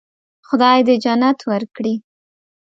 خدای دې جنت ورکړي.